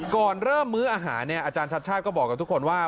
ก่อนเริ่มมื้ออาหารเนี่ยอาจารย์ชัดชาติก็บอกกับทุกคนว่า